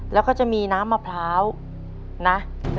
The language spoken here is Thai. แล้วก็จะมีน้ำมะพร้าวนะ